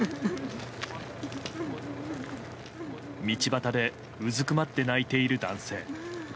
道端でうずくまって泣いている男性。